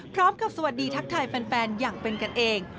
สวัสดีทักทายแฟนอย่างเป็นกันเอง